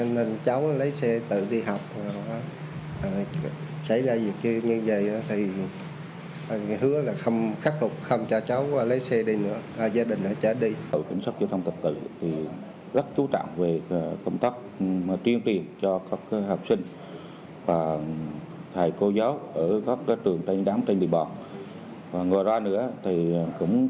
hành vi này sẽ bị xử lý với mức phạt hai triệu đồng